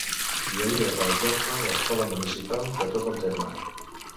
Hi havia, per exemple, l'escola municipal de tot el terme.